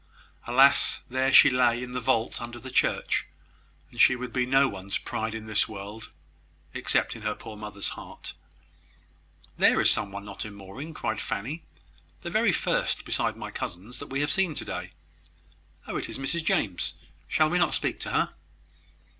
Alas! there she lay in the vault under the church; and she would be no one's pride in this world, except in her poor mother's heart. "There is somebody not in mourning," cried Fanny; "the very first, besides my cousins, that we have seen to day. Oh, it is Mrs James! Shall we not speak to her?"